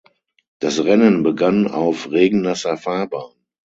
Das Rennen begann auf regennasser Fahrbahn.